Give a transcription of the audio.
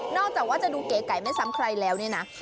จากว่าจะดูเก๋ไก่ไม่ซ้ำใครแล้วเนี่ยนะ